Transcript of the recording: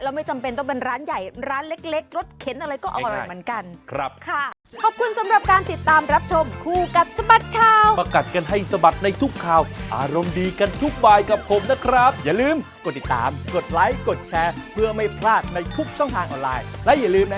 ไม่จำเป็นต้องเป็นร้านใหญ่ร้านเล็กรสเข็นอะไรก็อร่อยเหมือนกัน